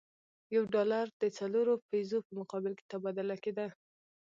یو ډالر د څلورو پیزو په مقابل کې تبادله کېده.